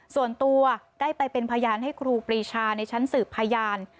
ส่วนตัวได้ไปเป็นพยานให้ครูปรีชาในชั้นสืบพยาน